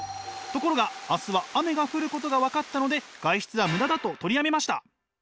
ところが明日は雨が降ることが分かったので外出はムダだと取りやめました。